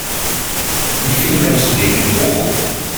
Wie viele Menschen leben in Bochum?